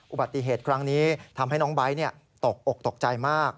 อุบัติเหตุครั้งนี้ทำให้น้องไบท์ตกอกตกใจมาก